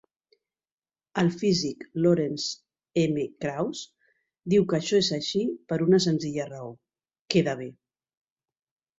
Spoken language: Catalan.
El físic Lawrence M. Krauss diu que això és així per una senzilla raó: queda bé.